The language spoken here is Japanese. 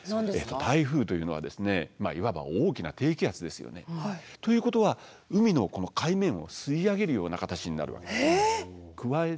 台風というのはいわば大きな低気圧ですよね。ということは海の海面を吸い上げるような形になるわけです。え！